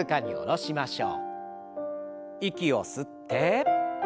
息を吸って。